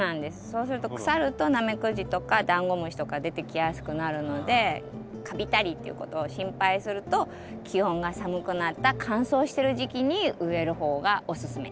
そうすると腐るとナメクジとかダンゴムシとか出てきやすくなるのでカビたりっていうことを心配すると気温が寒くなった乾燥してる時期に植える方がおすすめ。